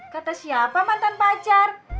kata siapa mantan pacar